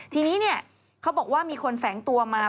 ทีนี้เขาบอกว่ามีคนแฝงตัวมา